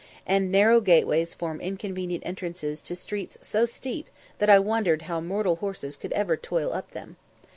_" and narrow gateways form inconvenient entrances to streets so steep that I wondered how mortal horses could ever toil up them.